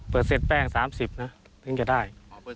เปอร์เซ็นต์แป้ง๓๐นะถึงจะได้